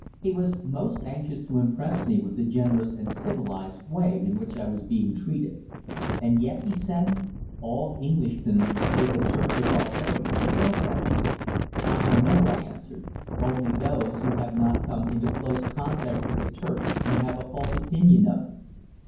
He was most anxious to impress me with the generous and civilized way in which I was being treated. "And yet," he said, "all Englishmen say that Turks are barbarians, don't they?" "Ah no," I answered, "only those who have not come into close contact with the Turks may have a false opinion of them."